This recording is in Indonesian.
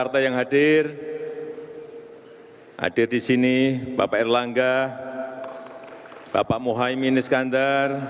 hei yang tipe kubaroko